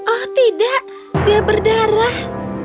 oh tidak dia berdarah